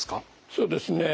そうですね